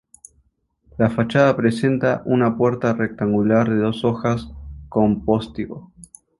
La fachada presenta una puerta rectangular de dos hojas, con postigo.